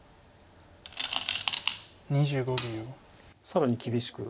更に厳しく。